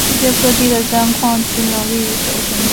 世界各地的战况均有利于轴心国。